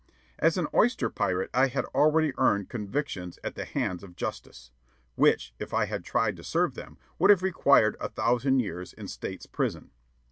As an oyster pirate I had already earned convictions at the hands of justice, which, if I had tried to serve them, would have required a thousand years in state's prison.